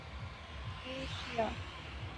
Asia